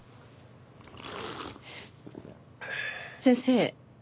先生。